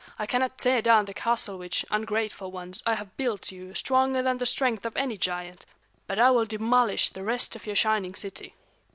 I cannot tear down the castle which, ungrateful ones, I have built you, stronger than the strength of any giant. But I will demolish the rest of your shining city!"